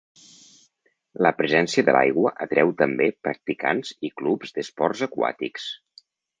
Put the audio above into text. La presència de l'aigua atreu també practicants i clubs d'esports aquàtics.